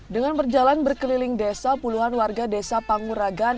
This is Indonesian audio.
dengan berjalan berkeliling desa puluhan warga desa panguragan